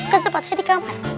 ke tempat saya di kamar